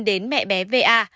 đến mẹ bé va